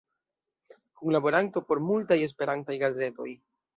Kunlaboranto por multaj Esperantaj gazetoj.